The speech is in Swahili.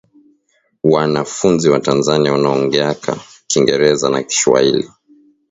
Wana funzi wa tanzania wanaongeaka kingereza na kishwahili